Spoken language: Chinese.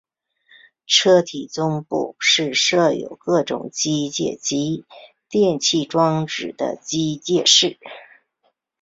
车体中部是设有各种机械及电气装置的机械室。